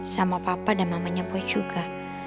sama papa dan mamanya boy juga